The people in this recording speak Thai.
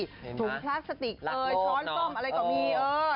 ถุงพลาสติกช้อนกล้อมอะไรก็มี